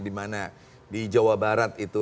di mana di jawa barat itu